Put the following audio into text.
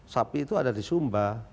sapi itu ada di sumba